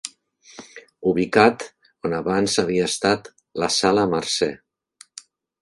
Ubicat on abans havia estat la Sala Mercè.